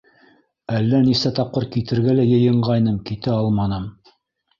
Әллә нисә тапҡыр китергә лә йыйынғайным, китә алманым.